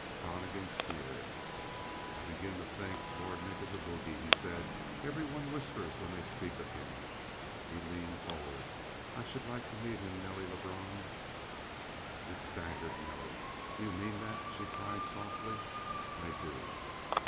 Donnegan sneered. "I begin to think Lord Nick is a bogie," he said. "Everyone whispers when they speak of him." He leaned forward. "I should like to meet him, Nelly Lebrun!" It staggered Nelly. "Do you mean that?" she cried softly. "I do."